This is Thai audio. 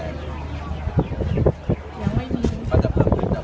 น้ำร้างขี้ป่าว